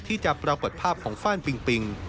ที่จะปรากฏภาพของฟ่านปิงปิง